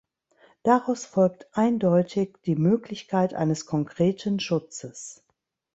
Daraus folgt eindeutig die Möglichkeit eines konkreten Schutzes.